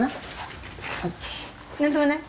何ともない？